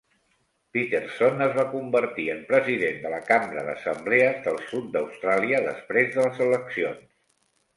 Peterson es va convertir en president de la Cambra d'Assemblea del sud d'Austràlia després de les eleccions.